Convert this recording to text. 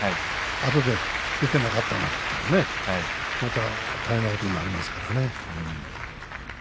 あとで出ていなかったとなったらまた大変なことになりますからね。